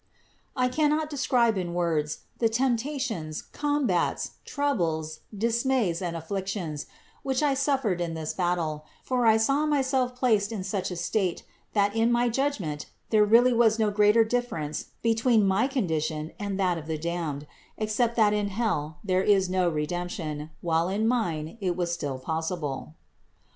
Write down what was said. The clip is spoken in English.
I cannot describe in words the temptations, combats, troubles, dismays and INTRODUCTION 9 afflictions, which I suffered in this battle: for I saw myself placed in such a state, that in my judgment there was really no greater difference between my condition and that of the damned, except that in hell there is no re demption, while in mine it was still possible.